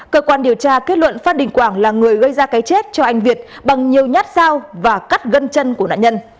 cơ quan điều tra kết luận phan đình quảng là người gây ra cái chết cho anh việt bằng nhiều nhát sao và cắt gân chân của nạn nhân